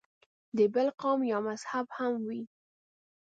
د بل قوم یا مذهب هم وي.